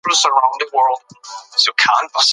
ستاسو ژوند دې خوشحاله وي.